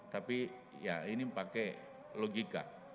tapi ya ini pakai logika